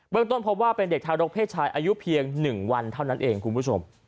ต้นพบว่าเป็นเด็กทารกเพศชายอายุเพียง๑วันเท่านั้นเองคุณผู้ชม